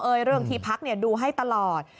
เลยเรื่องที่พักดูให้ตลอด